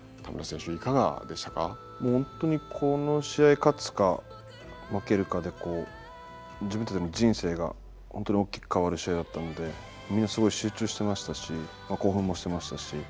もう本当にこの試合勝つか負けるかでこう自分たちの人生が本当に大きく変わる試合だったのでみんなすごい集中してましたし興奮もしてましたし。